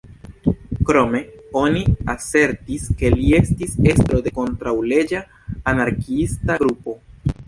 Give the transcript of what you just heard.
Krome, oni asertis ke li estis estro de kontraŭleĝa anarkiista grupo.